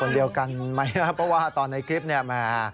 คนเดียวกันไหมครับเพราะว่าตอนในคลิปนี้